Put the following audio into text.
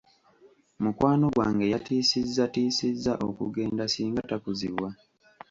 Mukwano gwange yatiisizzatiisizza okugenda singa takuzibwa.